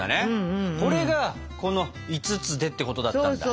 これがこの「５つで」ってことだったんだ。